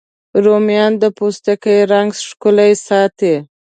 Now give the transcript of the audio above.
رومیان د پوستکي رنګ ښکلی ساتي